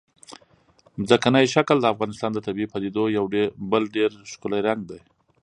ځمکنی شکل د افغانستان د طبیعي پدیدو یو بل ډېر ښکلی رنګ دی.